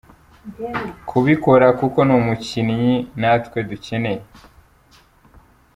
kubikora kuko ni umukinnyi natwe ducyeneye.